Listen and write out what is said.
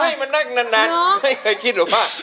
เออจะมาให้มันนั่งนั้นไม่เคยคิดหรือเปล่า